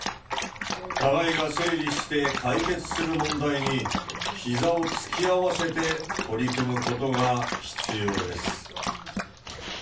互いが整理して解決する問題にひざを突き合わせて取り組むことが必要です。